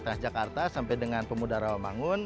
transjakarta sampai dengan pemuda rawamangun